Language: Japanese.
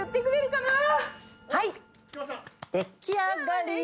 はい！